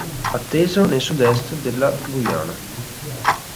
Atteso nel sud-est della Guyana.